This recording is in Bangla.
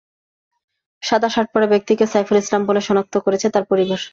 সাদা শার্ট পরা ব্যক্তিকে সাইফুল ইসলাম বলে শনাক্ত করেছে তাঁর পরিবার।